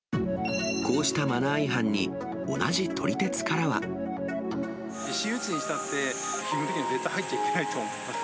こうしたマナー違反に、私有地にしたって、基本的には絶対に入っちゃいけないと思う。